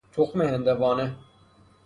تخم هندوانه